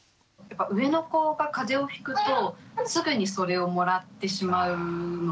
上の子が風邪をひくとすぐにそれをもらってしまうので。